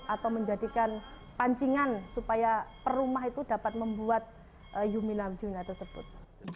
atau menjadikan pancingan supaya perumah itu dapat membuat yumina yuna tersebut